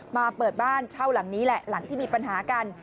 มาเปิดบ้านเช่าหลังนี้แหละหลังที่มีปัญหากัน